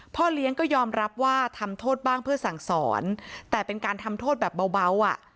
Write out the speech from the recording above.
พ่อเลี้ยงก็ยอมรับว่าทำโทษบ้างเพื่อสั่งสอนแต่เป็นการทำโทษแบบเบาอ่ะ